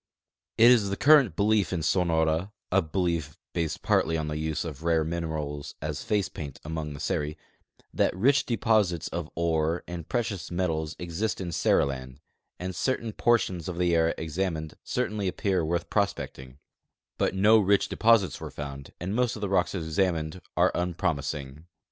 It is tlie current belief in Sonora (a belief based partly on the use of rare minerals as face paint among the Seri) that rich deposits of ores and precious metals exist in Seriland, and certain por tions of the area examined certainly appear worth prospecting ; but no rich deposits were found, and most of the rocks examined are unpromising.